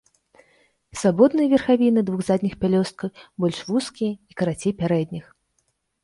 Свабодныя верхавіны двух задніх пялёсткаў больш вузкія і карацей пярэдніх.